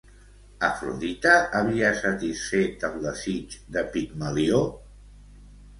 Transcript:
Afrodita havia satisfet el desig de Pigmalió?